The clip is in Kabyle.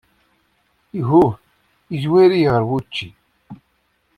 Ihuh! Yezwar-iyi ɣer wučči.